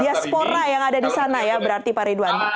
diaspora yang ada di sana ya berarti pak ridwan